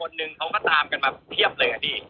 นึงเขาก็ตามกันมาเพียบเลยอะพี่